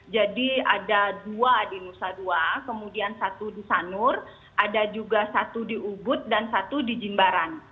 jadi ada dua di nusa dua kemudian satu di sanur ada juga satu di ubud dan satu di jimbaran